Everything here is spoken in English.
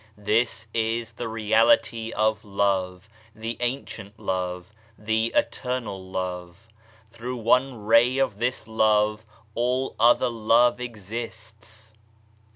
This is the reality oi Love, the Ancient Love, the Eternal Love. Through one ray of this Love all othgr love exists.